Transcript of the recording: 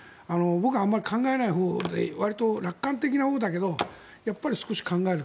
僕はあまり考えないほうでわりと楽観的なほうだけどやっぱり少し考える。